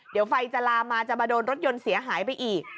เดี๋ยวไฟจะลามมาจะมาโดนรถยนต์เสียหายไปอีก